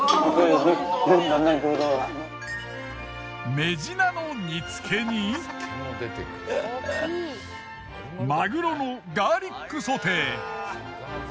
メジナの煮付けにマグロのガーリックソテー。